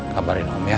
kabarin om ya